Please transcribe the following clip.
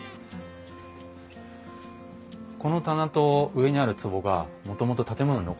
この棚と上にあるつぼがもともと建物に残ってたものなんです。